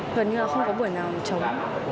gần như là không có buổi nào mà trống